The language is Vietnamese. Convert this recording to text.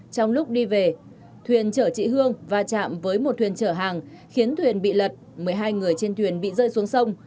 trong lúc đi về thuyền trở chị hương và chạm với một thuyền trở hàng khiến thuyền bị lật một mươi hai người trên thuyền bị rơi xuống sông